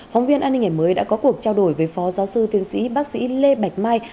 phóng viên an ninh ngày mới đã có cuộc trao đổi với phó giáo sư tiến sĩ bác sĩ lê bạch mai